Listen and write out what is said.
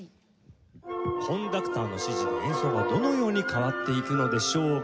コンダクターの指示で演奏がどのように変わっていくのでしょうか。